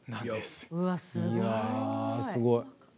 すごい。